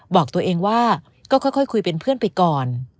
บอกตัวเองว่าก็ค่อยคุยเป็นเพื่อนไปก่อน